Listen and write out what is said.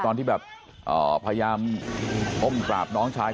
ตอนที่แบบพยายามก้มกราบน้องชาย